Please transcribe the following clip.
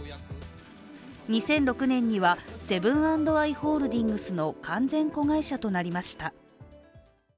２００６年にはセブン＆アイ・ホールディングスの完全子会社となりました。